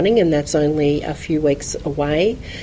dan itu hanya beberapa minggu